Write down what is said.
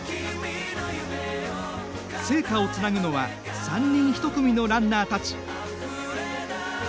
聖火をつなぐのは３人１組のランナーたち。